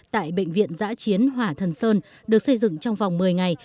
tại bệnh viện giã chiến hỏa thần sơn được xây dựng trong vòng một mươi ngày